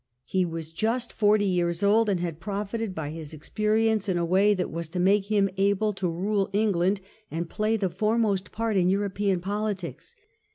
He was just ^»"k forty years old, and had profited by his experience in a way that was to make him able to rule England and play the foremost part in European politics.